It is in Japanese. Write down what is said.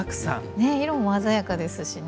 ねえ色も鮮やかですしね。